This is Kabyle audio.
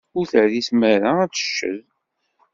Ur terri tmara ad t-tecced.